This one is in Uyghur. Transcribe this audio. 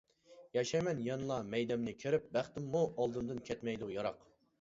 ياشايمەن يەنىلا مەيدەمنى كېرىپ، بەختىممۇ ئالدىمدىن كەتمەيدۇ يىراق.